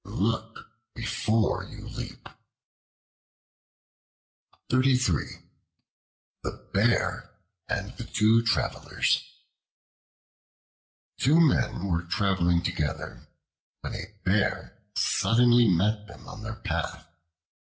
Look before you leap. The Bear and the Two Travelers TWO MEN were traveling together, when a Bear suddenly met them on their path.